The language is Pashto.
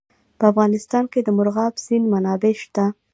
په افغانستان کې د مورغاب سیند منابع شته.